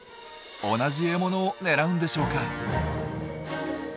同じ獲物を狙うんでしょうか？